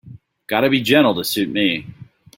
Gotta be gentle to suit me.